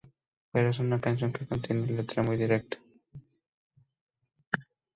Pero es una canción que contiene letra muy directa.